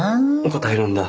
答えるんだ！？